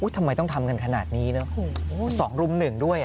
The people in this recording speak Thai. ทำไมต้องทำกันขนาดนี้นะ๒รุ่มหนึ่งด้วย